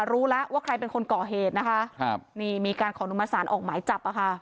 รู้แล้วว่าใครเป็นคนก่อเหตุนะคะมีการขออนุมัติศาลออกหมายจับ